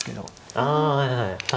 はいはい。